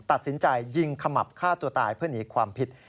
ตัดสินใจยิงขมับฆ่าตัวตายเพื่อหนีความผิด